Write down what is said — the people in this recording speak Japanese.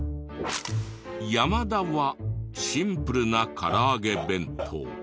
山田はシンプルなからあげ弁当。